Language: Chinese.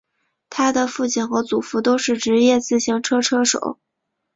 他的父亲和祖父都是职业自行车车手。